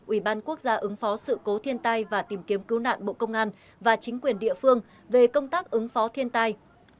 ubnd ứng phó sự cố thiên tai và tìm kiếm cứu nạn bộ công an và chính quyền địa phương về công tác ứng phó thiên tai